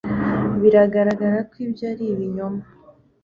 Biragaragara ko ibyo ari ibinyoma